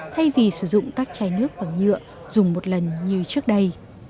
thay vì sử dụng các chai nước và nhựa dùng một lần như trước đây